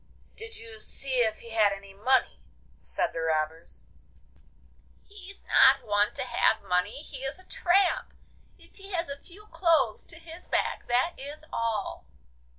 'Did you see if he had any money?' said the robbers. 'He's not one to have money, he is a tramp! If he has a few clothes to his back, that is all.